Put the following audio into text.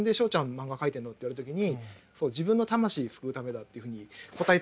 漫画描いてんの？」って言われた時に「自分の魂救うためだ」っていうふうに答えてたらしいんですよ。